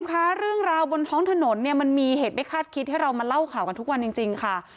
คุณผู้ชมคะเรื่องราวบนท้องถนนเนี่ยมันมีเหตุไม่คาดคิดให้เรามาเล่าข่าวกันทุกวันจริงค่ะ